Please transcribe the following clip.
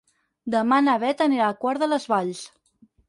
Demà na Beth anirà a Quart de les Valls.